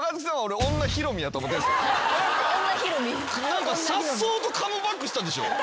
何かさっそうとカムバックしたでしょ。